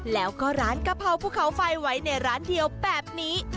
แล้วก็ร้านกะเพราภูเขาไฟไว้ในร้านเดียวแบบนี้